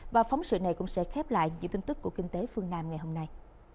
và phóng sự này cũng sẽ khép lại những tin tức của kinh tế phương nam ngày hôm nay